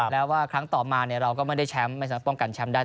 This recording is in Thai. แล้วว่าครั้งต่อมาเราก็ไม่ได้แชมป์ไม่สามารถป้องกันแชมป์ได้